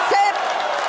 jadi saya ingin selidik itu